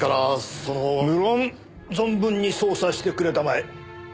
無論存分に捜査してくれたまえ。